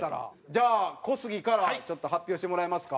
じゃあ小杉からちょっと発表してもらえますか？